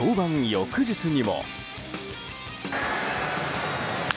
翌日にも。